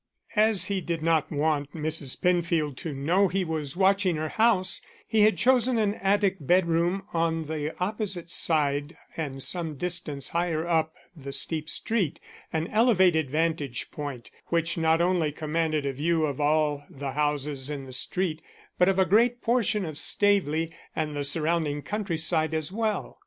As he did not want Mrs. Penfield to know he was watching her house, he had chosen an attic bedroom on the opposite side and some distance higher up the steep street an elevated vantage point, which not only commanded a view of all the houses in the street but of a great portion of Staveley and the surrounding country side as well.